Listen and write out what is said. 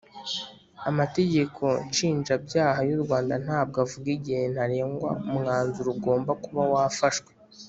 Amategeko nshinjabyaha y u rwanda ntabwo avuga igihe ntarengwa umwanzuro ugomba kuba wafashwe